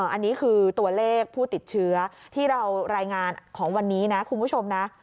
อันนี้คือตัวเลขผู้ติดเชื้อที่เรารายงานของวันนี้นะคุณผู้ชมนะ